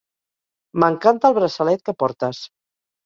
M'encanta el braçalet que portes.